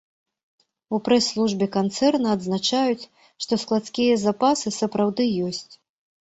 У прэс-службе канцэрна адзначаюць, што складскія запасы сапраўды ёсць.